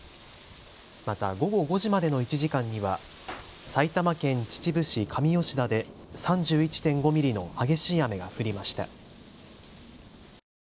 また午後５時までの１時間には埼玉県秩父市上吉田で３１．５ミリの激しい雨が降りました。